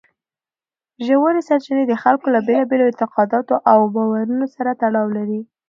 ژورې سرچینې د خلکو له بېلابېلو اعتقاداتو او باورونو سره تړاو لري.